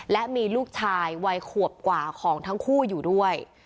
และมีลูกชายวัยขวบกว่าของทั้งคู่อยู่ด้วย